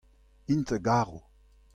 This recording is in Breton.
int 'garo.